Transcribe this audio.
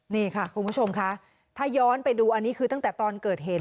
นี่ค่ะคุณผู้ชมค่ะถ้าย้อนไปดูอันนี้คือตั้งแต่ตอนเกิดเหตุ